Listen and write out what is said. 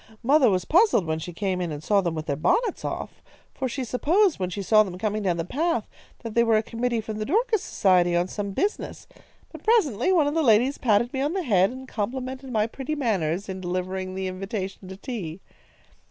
Mother was puzzled when she came in and saw them with their bonnets off, for she supposed, when she saw them coming down the path, that they were a committee from the Dorcas Society, on some business. But presently one of the ladies patted me on the head, and complimented my pretty manners in delivering the invitation to tea.